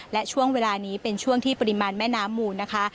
และช่วงเวลานี้เป็นช่วงที่ปริมาณแม่น้ำมูลนะคะ